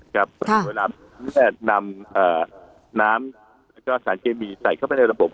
เวลาพระมูลแนะนำน้ำและสารเคมีใส่เข้าไปในระบบ